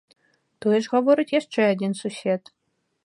Тое ж гаворыць яшчэ адзін сусед.